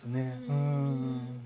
うん。